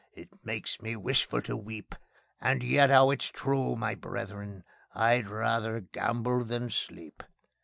It makes me wishful to weep, And yet 'ow it's true, my brethren! I'd rather gamble than sleep.